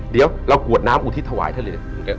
เดี๋ยวเรากวดน้ำอุทิศถวายท่านเลย